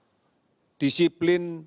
kepada pihak pihak yang memiliki kekuasaan